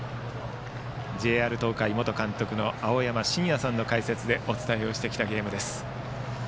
ＪＲ東海元監督の青山眞也さんの解説でお伝えしてきたゲームです。